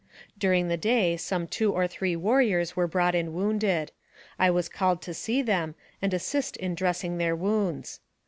During the day some two or three warriors were brought in wounded. I was AMONG THE SIOUX INDIANS. 101 called to see them, and assist in dressing their wounds.